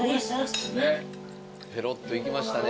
ペロッといきましたね。